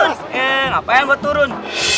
hei rasakannya dengan mot haikal